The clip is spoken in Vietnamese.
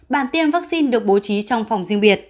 bản tiêm vaccine được bố trí trong phòng riêng biệt